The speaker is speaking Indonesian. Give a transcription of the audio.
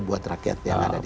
buat rakyat yang ada di